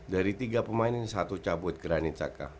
dari tiga pemain ini satu cabut granit caka